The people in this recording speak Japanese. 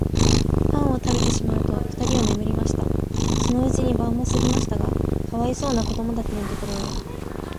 パンをたべてしまうと、ふたりは眠りました。そのうちに晩もすぎましたが、かわいそうなこどもたちのところへ、